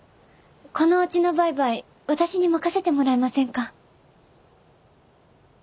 このうちの売買私に任せてもらえませんか？